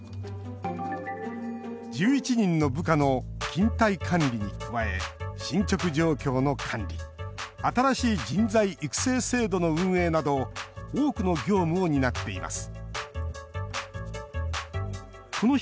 １１人の部下の勤怠管理に加え進捗状況の管理新しい人材育成制度の運営など多くの業務を担っています